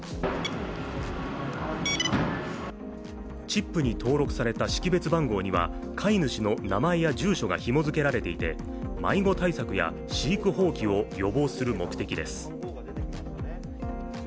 チップに登録された識別番号には飼い主の名前や住所がひも付けられていて迷子対策や、飼育放棄を予防する目的です。